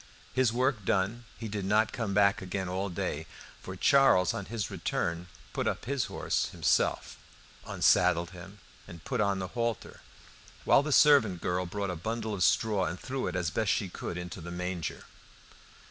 His work done, he did not come back again all day, for Charles on his return put up his horse himself, unsaddled him and put on the halter, while the servant girl brought a bundle of straw and threw it as best she could into the manger.